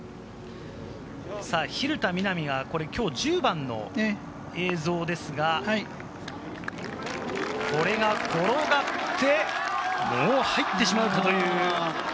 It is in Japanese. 蛭田みな美、１０番の映像ですが、これが転がって、もう入ってしまうかという。